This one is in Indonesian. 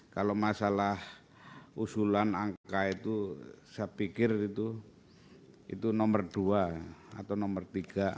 kalau masalah usulan angka itu saya pikir itu nomor dua atau nomor tiga